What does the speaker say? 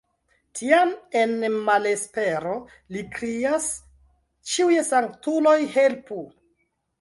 Tiam en malespero li krias: Ĉiuj sanktuloj helpu!